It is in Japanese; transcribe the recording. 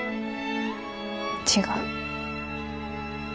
違う。